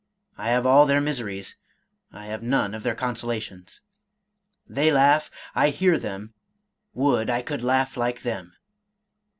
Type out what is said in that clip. I have all their miseries, — I have none of their consolations. They laugh, — I hear them ; would I could laugh like them.'